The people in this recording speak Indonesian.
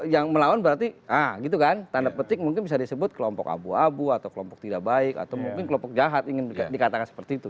yang melawan berarti tanda petik mungkin bisa disebut kelompok abu abu atau kelompok tidak baik atau mungkin kelompok jahat ingin dikatakan seperti itu